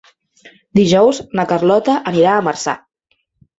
Dijous na Carlota anirà a Marçà.